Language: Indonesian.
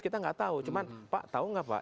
kita nggak tahu cuman pak tahu nggak pak